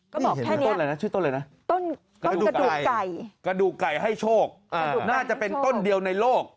ก็บอกแค่นี้ต้นกระดูกไก่ให้โชคน่าจะเป็นต้นเดียวในโลก